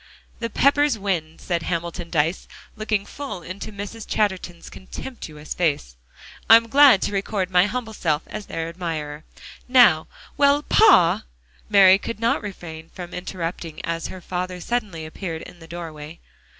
"The Peppers win," said Hamilton Dyce, looking full into Mrs. Chatterton's contemptuous face. "I'm glad to record my humble self as their admirer. Now" "Well, pa!" Mary could not refrain from interrupting as her father suddenly appeared in the doorway.